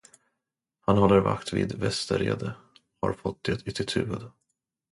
Han håller vakt vid Västerede, har fått det i sitt huvud.